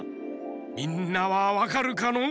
みんなはわかるかのう？